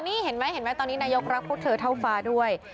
นี่เห็นไหมเห็นไหมตอนนี้นายกรักพวกเธอเท่าฟ้าด้วย